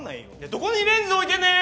どこにレンズ置いてんねん！